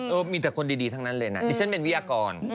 มีแต่คนดีทั้งนั้นเลยนะดิฉันเป็นวิทยากร